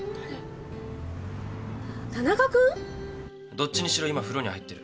どっちにしろ今風呂に入ってる。